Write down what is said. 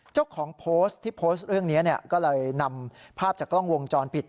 เจ้าของโพสต์ที่โพสต์เรื่องนี้ก็เลยนำภาพจากกล้องวงจรปิด